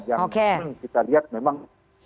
yang kita lihat memang